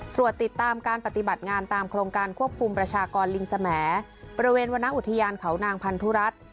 ตรวจติดตามการปฏิบัติงานตามโครงการควบคุมประชากรลิงสมบริเวณวรรณอุทยานเขานางพันธุรัฐ